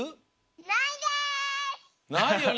ないよね。